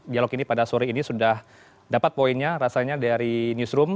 dialog ini pada sore ini sudah dapat poinnya rasanya dari newsroom